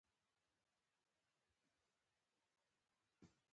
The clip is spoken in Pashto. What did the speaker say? بیا نو ولاړ سه آیینې ته هلته وګوره خپل ځان ته